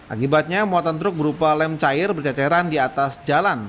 akibatnya muatan truk berupa lem cair berceceran di atas jalan